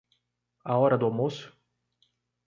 A hora do almoço?